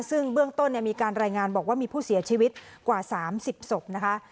ซึ่งเบื้องต้นมีการรายงานบอกว่ามีผู้เสียชีวิตกว่า๓๐ศพนะคะ